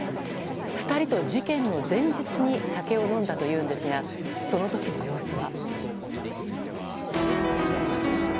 ２人と事件の前日に酒を飲んだというんですがその時の様子は。